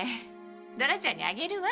ドラちゃんにあげるわ。